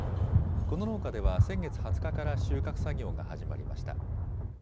この農家では先月２０日から収穫作業が始まりました。